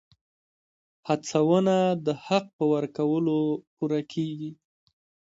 هڅونه د حق په ورکولو پوره کېږي.